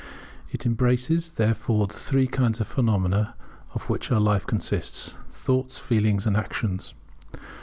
It embraces, therefore, the three kinds of phenomena of which our life consists, Thoughts, Feelings, and Actions.